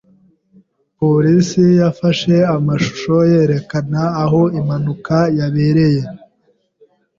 Polisi yafashe amashusho yerekana aho impanuka yabereye.